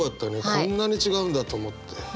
こんなに違うんだと思って。